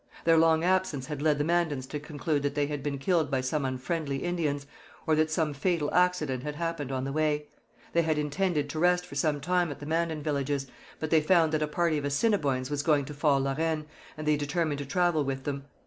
Their long absence had led the Mandans to conclude that they had been killed by some unfriendly Indians, or that some fatal accident had happened on the way. They had intended to rest for some time at the Mandan villages, but they found that a party of Assiniboines was going to Fort La Reine, and they determined to travel with them.